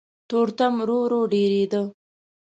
تورتم ورو ورو ډېرېده.